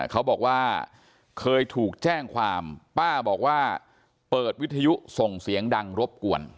เขาบอกว่าเคยถูกแจ้งความป้าบอกว่าเปิดวิทยุส่งเสียงดังรบกวน